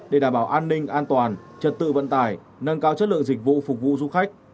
để đảm bảo an ninh an toàn trật tự vận tải nâng cao chất lượng dịch vụ phục vụ du khách